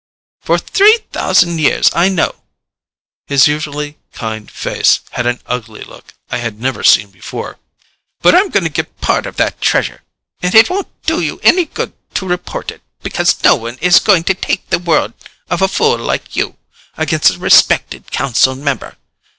"For three thousand years. I know." His usually kind face had an ugly look I had never seen before. "But I'm going to get part of that Treasure. And it won't do you any good to report it, because no one is going to take the word of a fool like you, against a respected council member.